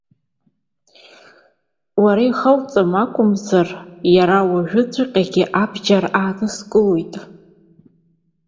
Уара ихоуҵом акәымзар, иара уажәыҵәҟьагьы абџьар ааныскылоит.